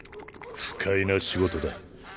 不快な仕事だ。